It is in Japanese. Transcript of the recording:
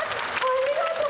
ありがとう！